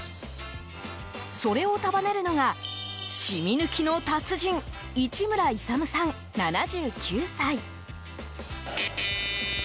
それを束ねるのが染み抜きの達人市村勇さん、７９歳。